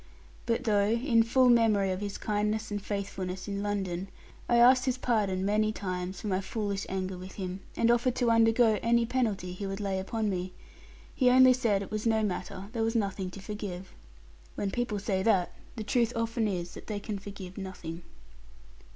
But though, in full memory of his kindness and faithfulness in London, I asked his pardon many times for my foolish anger with him, and offered to undergo any penalty he would lay upon me, he only said it was no matter, there was nothing to forgive. When people say that, the truth often is that they can forgive nothing.